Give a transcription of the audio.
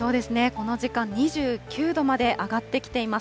この時間、２９度まで上がってきています。